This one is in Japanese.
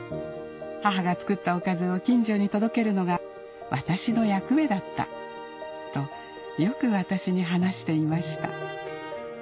母が作ったおかずを近所に届けるのが私の役目だった」とよく私に話していました